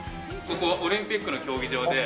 ここはオリンピックの競技場で。